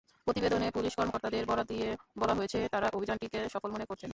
প্রতিবেদনে পুলিশ কর্মকর্তাদের বরাত দিয়ে বলা হয়েছে, তাঁরা অভিযানটিকে সফল মনে করছেন।